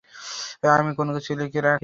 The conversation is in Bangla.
আমি কোনকিছুও লিখে রাখি নি।